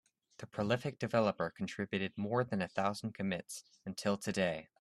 The prolific developer contributed more than a thousand commits until today.